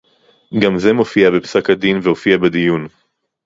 גם זה מופיע בפסק-הדין והופיע בדיון